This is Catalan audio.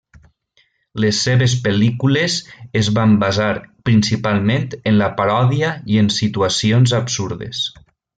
Les seves pel·lícules es van basar principalment en la paròdia i en situacions absurdes.